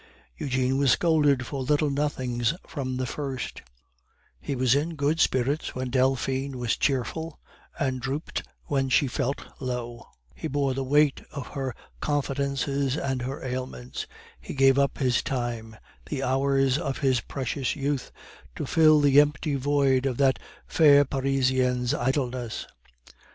Eugene was scolded for little nothings from the first; he was in good spirits when Delphine was cheerful, and drooped when she felt low; he bore the weight of her confidences and her ailments; he gave up his time, the hours of his precious youth, to fill the empty void of that fair Parisian's idleness.